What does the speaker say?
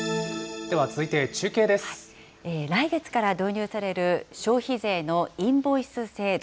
来月から導入される、消費税のインボイス制度。